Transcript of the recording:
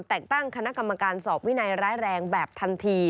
แต่งตั้งคณะกรรมการสอบวินัยร้ายแรงแบบทันที